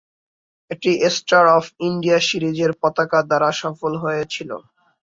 এটি star of India সিরিজের পতাকা দ্বারা সফল হয়েছিল।